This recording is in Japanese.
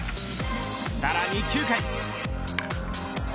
さらに９回。